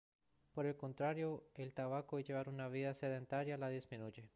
Por el contrario el tabaco y llevar una vida sedentaria la disminuye.